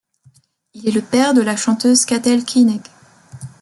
Il est le père de la chanteuse Katell Keineg.